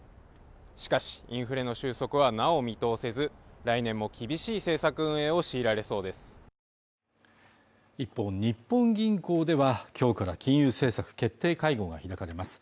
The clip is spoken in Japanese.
しかしインフレの収束はなお見通せず来年も厳しい政策運営を強いられそうです一方日本銀行ではきょうから金融政策決定会合が開かれます